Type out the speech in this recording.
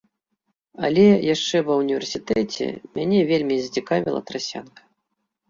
Але яшчэ ва ўніверсітэце мяне вельмі зацікавіла трасянка.